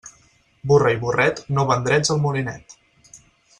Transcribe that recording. Burra i burret no van drets al molinet.